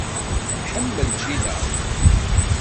Tḥemmel ččina.